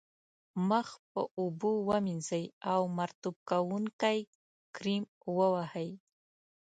مخ په اوبو ومینځئ او مرطوب کوونکی کریم و وهئ.